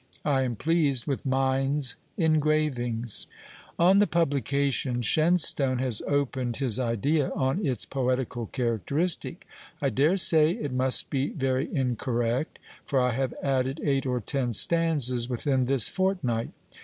I am pleased with Mynde's engravings." On the publication Shenstone has opened his idea on its poetical characteristic. "I dare say it must be very incorrect; for I have added eight or ten stanzas within this fortnight.